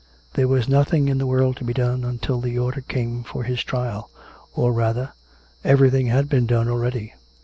There was nothing in the world to be done until the order came for his trial — or, rather, everything had been done already.